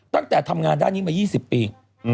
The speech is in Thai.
ตั้งแต่ทำงานด้านนี้มา๒๐ปี